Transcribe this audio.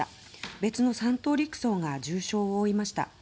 別の３等陸曹が重傷を負いました。